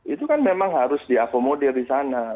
itu kan memang harus diakomodir di sana